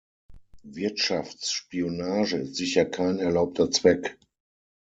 Wirtschaftsspionage ist sicher kein erlaubter Zweck.